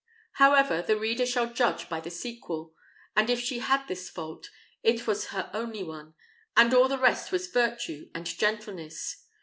However, the reader shall judge by the sequel; but if she had this fault, it was her only one, and all the rest was virtue and gentleness.